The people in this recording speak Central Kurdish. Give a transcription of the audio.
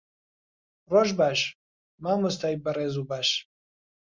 ڕۆژ باش، مامۆستای بەڕێز و باش.